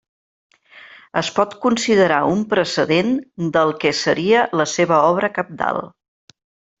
Es pot considerar un precedent del que seria la seva obra cabdal.